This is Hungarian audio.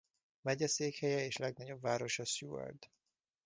Megyeszékhelye és legnagyobb városa Seward.